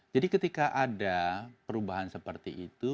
jadi ketika ada perubahan seperti itu